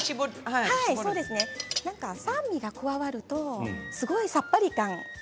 酸味が加わるとすごいさっぱり感。